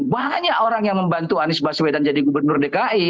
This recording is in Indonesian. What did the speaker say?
banyak orang yang membantu anies baswedan jadi gubernur dki